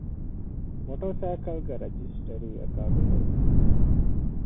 މޮޓޯސައިކަލްގެ ރަޖިސްޓަރީއަކާބެހޭ